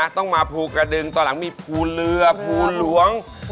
ต้องมาภูกระดึงตอนหลังมีภูเรือภูหลวง